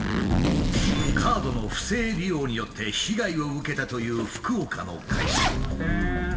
カードの不正利用によって被害を受けたという福岡の会社。